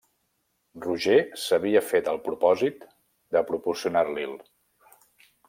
Roger s'havia fet el propòsit de proporcionar-li'l.